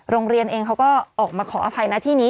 โรงเรียนเองเขาก็ออกมาขออภัยนะที่นี้